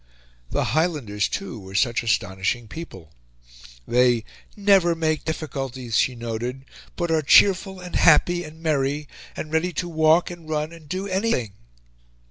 The Highlanders, too, were such astonishing people. They "never make difficulties," she noted, "but are cheerful, and happy, and merry, and ready to walk, and run, and do anything."